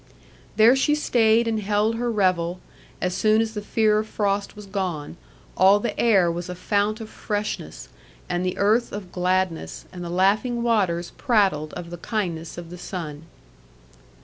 There she stayed and held her revel, as soon as the fear of frost was gone; all the air was a fount of freshness, and the earth of gladness, and the laughing waters prattled of the kindness of the sun.